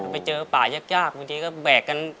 ไปเจอป่ายากบางทีก็แบกกัน